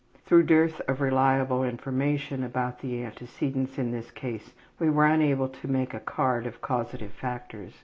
Through dearth of reliable information about the antecedents in this case we were unable to make a card of causative factors.